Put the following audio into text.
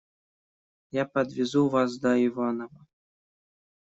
Я подвезу вас до Иваново.